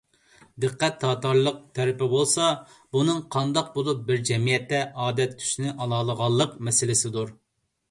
دىققەت تارتارلىق تەرىپى بولسا، بۇنىڭ قانداق بولۇپ بىر جەمئىيەتتە ئادەت تۈسىنى ئالالىغانلىق مەسىلىسىدۇر.